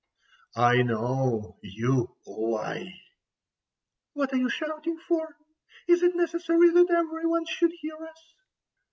I know you lie!" "What are you shouting for? Is it necessary that every one should hear us?"